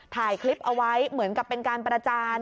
ถ่ายคลิปเอาไว้เหมือนกับเป็นการประจาน